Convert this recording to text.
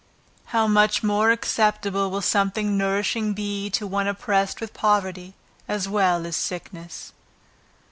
How much more acceptable will something nourishing be to one oppressed with poverty, as well as sickness.